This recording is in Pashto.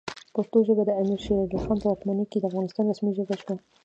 پښتو ژبه د امیر شیرعلی خان په واکمنۍ کې د افغانستان رسمي ژبه شوه.